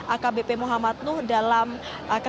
akhbp muhammad nuh dalam keterangannya